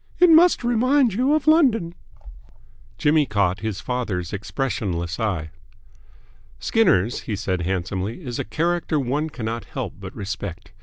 "It must remind you of London." Jimmy caught his father's expressionless eye. "Skinner's," he said handsomely, "is a character one cannot help but respect.